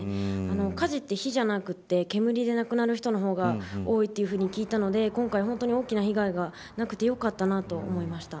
火事って火じゃなくて煙で亡くなる人の方が多いと聞いたので今回、本当に大きな被害がなくてよかったと思いました。